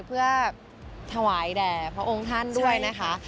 เพื่อถวายแด่พระองค์ท่านด้วยนะคะ